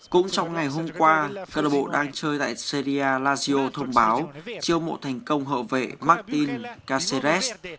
cũng trong ngày hôm qua carabao đang chơi tại serie a lazio thông báo chiêu mộ thành công hợp vệ martin caceres